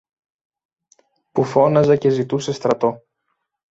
που φώναζε και ζητούσε στρατό.